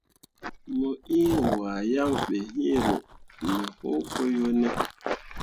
Mo ĩĩ wahe yaŋ be iŋ ro ne hũũ ko yo ne ?